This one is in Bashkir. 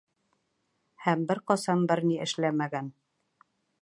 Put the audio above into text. Һәм бер ҡасан бер ни эшләмәгән.